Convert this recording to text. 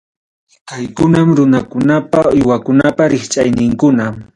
Kaykunam runakunapa, uywakunapa rikchayninkuna.